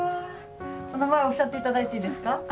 お名前おっしゃっていただいていいですか？